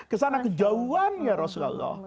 kesana kejauhan ya rasulullah